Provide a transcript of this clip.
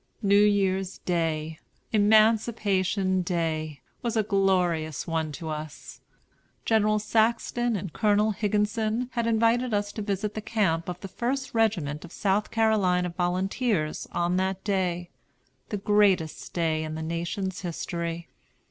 New Year's Day, Emancipation Day, was a glorious one to us. General Saxton and Colonel Higginson had invited us to visit the camp of the First Regiment of South Carolina Volunteers on that day, "the greatest day in the nation's history."